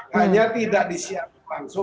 hanya tidak disiarkan langsung